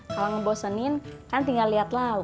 kalau ngebosenin kan tinggal lihat lau